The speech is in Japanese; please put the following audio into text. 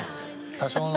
多少の。